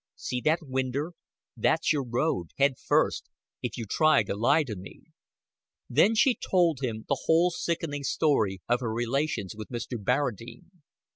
"See that winder! That's yer road head first if you try to lie to me." Then she told him the whole sickening story of her relations with Mr. Barradine.